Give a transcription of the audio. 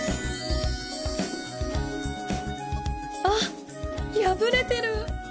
あっ破れてる